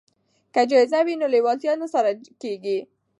که جایزه وي نو لیوالتیا نه سړه کیږي.